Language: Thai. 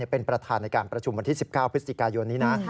เป็นประธานในการประชุมวันที่๑๙พฤศจิกายนนี้นะ